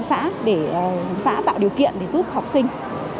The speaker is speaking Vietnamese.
trường cũng có thông tin tới các xã để xã tạo điều kiện để giúp học sinh